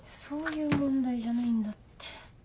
そういう問題じゃないんだって。